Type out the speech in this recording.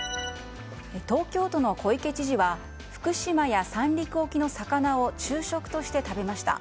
東京都の小池知事は福島や三陸沖の魚を昼食として食べました。